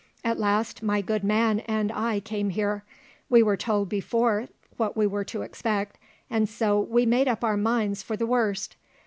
At last my good man and I came here. We were told before what we were to expect, and so we made up our minds for the worst.